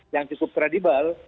yang cukup kredibel